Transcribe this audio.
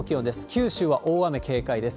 九州は大雨警戒です。